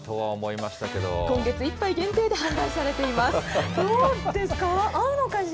今月いっぱい限定で販売され合うのかしら？